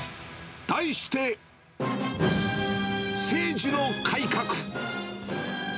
題して、誠次の改革。